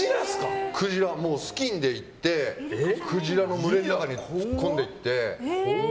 スキンで行ってクジラの群れの中に突っ込んでいって。